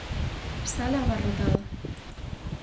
Sala abarrotada.